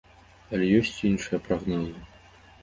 Але ёсць і іншыя прагнозы.